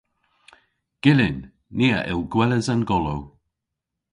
Gyllyn. Ni a yll gweles an golow.